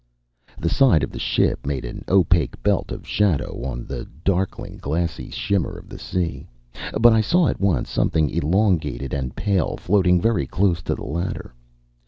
The side of the ship made an opaque belt of shadow on the darkling glassy shimmer of the sea. But I saw at once something elongated and pale floating very close to the ladder.